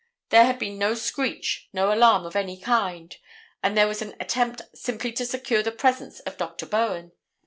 There had been no screech, no alarm of any kind, and there was an attempt simply to secure the presence of Dr. Bowen.